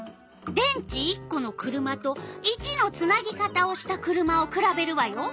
電池１この車と①のつなぎ方をした車をくらべるわよ。